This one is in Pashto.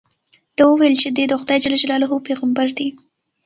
ده وویل چې دې د خدای جل جلاله پیغمبر دی.